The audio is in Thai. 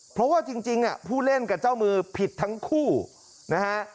เพราะว่าจริงผู้เล่นกับเจ้ามือผิดทั้งคู่นะฮะ